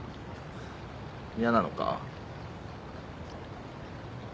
嫌なのか。